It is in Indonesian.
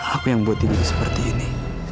aku yang buat diri seperti ini